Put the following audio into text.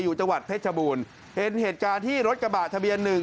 จังหวัดเพชรชบูรณ์เห็นเหตุการณ์ที่รถกระบะทะเบียนหนึ่ง